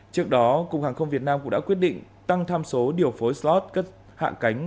trước đó cục hàng không việt nam cũng đã quyết định tăng tham số điều phối slot cất hạ cánh